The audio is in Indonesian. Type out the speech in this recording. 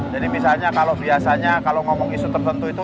jadi misalnya kalau biasanya kalau ngomong isu tertentu itu